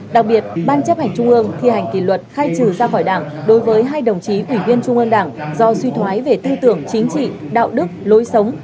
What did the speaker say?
đặc biệt ban chấp hành trung ương thi hành kỷ luật khai trừ ra khỏi đảng đối với hai đồng chí ủy viên trung ương đảng do suy thoái về tư tưởng chính trị đạo đức lối sống